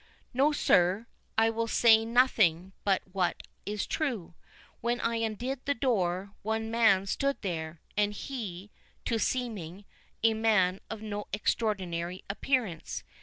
"No, sir, I will say nothing but what is true. When I undid the door, one man stood there, and he, to seeming, a man of no extraordinary appearance.